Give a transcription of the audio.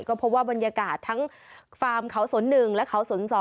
ก็พบว่ามันยากาศทั้งวิธีไฟร์มเขาศร๑และแบบเขาศรศ๒